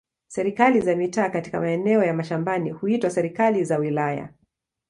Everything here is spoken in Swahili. Serikali za mitaa katika maeneo ya mashambani huitwa serikali za wilaya.